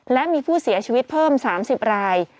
และมีผู้เสียชีวิตเพิ่ม๓๐ราย